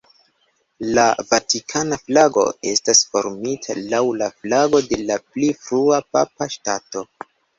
La vatikana flago estas formita laŭ la flago de la pli frua Papa Ŝtato.